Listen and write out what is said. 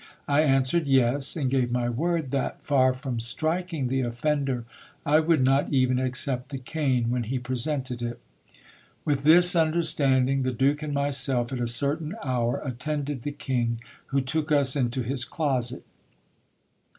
I answered, yes : and gave my word that, far from striking the offender, I would not even accept the cane, when he presented it. With this understanding, the Duke and myself at a certain hour attended the K ng, who took us into his closet.